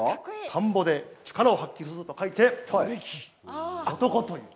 田んぼで力を発揮すると書いて田力、「男」という。